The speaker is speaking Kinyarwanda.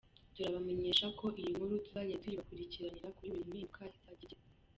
Turabamenyeshako iyi nkuru tuzajya tuyibakurikiranira kuri buri mpinduka izajya igira.